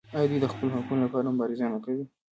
آیا دوی د خپلو حقونو لپاره مبارزه نه کوي؟